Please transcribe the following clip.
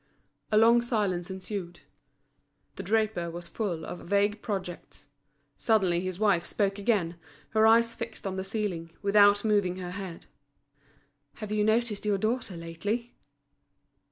A long silence ensued. The draper was full of vague projects. Suddenly his wife spoke again, her eyes fixed on the ceiling, without moving her head: "Have you noticed your daughter lately?"